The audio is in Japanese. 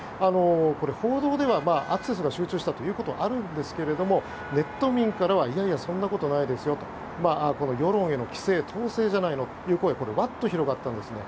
これは報道ではアクセスが集中したということなんですがネット民からはいやいやそんなことないですよと世論への規制、統制じゃないのという声がわっと広がったんですね。